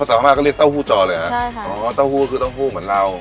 สามารถก็เรียกเต้าหู้จอเลยฮะใช่ค่ะอ๋อเต้าหู้คือเต้าหู้เหมือนเรา